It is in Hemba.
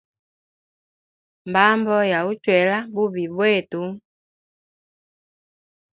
Mbambo ya uchwela mububi bwetu.